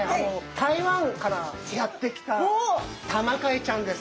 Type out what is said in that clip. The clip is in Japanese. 台湾からやって来たタマカイちゃんです。